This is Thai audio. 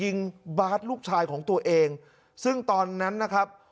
บาสลูกชายของตัวเองซึ่งตอนนั้นนะครับ